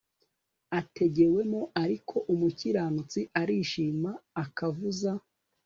ategewemo Ariko umukiranutsi arishima akavuza